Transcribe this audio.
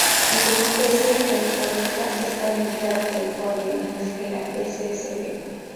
La subespecie "californica" está limitada a California, mientras que la ssp.